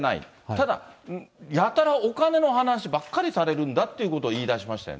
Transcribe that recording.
ただ、やたらお金の話ばっかりされるんだということを言いだしましたよ